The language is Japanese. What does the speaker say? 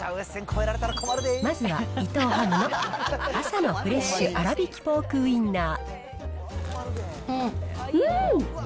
まずは伊藤ハムの朝のフレッシュあらびきポークウインナー。